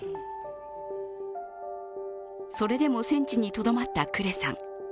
それでも戦地にとどまったクレさん。